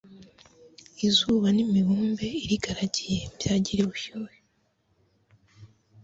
izuba n'imibumbe irigaragiye byagira ubushyuhe